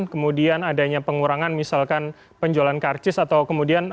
kemudian adanya pengurangan misalkan penjualan karcis atau kemudian